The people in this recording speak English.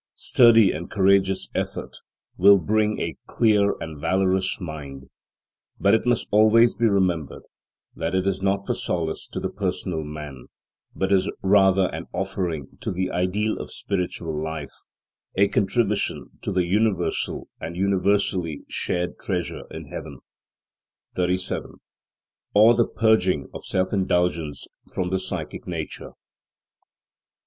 Sturdy and courageous effort will bring a clear and valorous mind. But it must always be remembered that this is not for solace to the personal man, but is rather an offering to the ideal of spiritual life, a contribution to the universal and universally shared treasure in heaven. 37. Or the purging of self indulgence from the psychic nature.